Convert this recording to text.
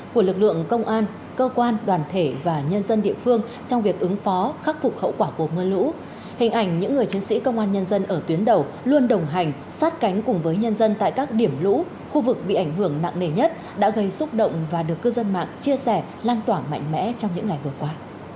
các cánh cùng với nhân dân tại các điểm lũ khu vực bị ảnh hưởng nặng nề nhất đã gây xúc động và được cư dân mạng chia sẻ lan tỏa mạnh mẽ trong những ngày vừa qua